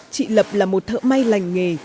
chị lập là một thợ may lành nghề